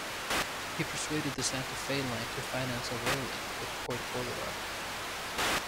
He persuaded the Santa Fe line to finance a rail link with Port Bolivar.